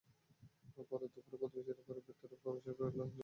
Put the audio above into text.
পরে দুপুরে প্রতিবেশীরা ঘরের ভেতরে বাবু সরকারের লাশ ঝুলন্ত অবস্থায় দেখতে পান।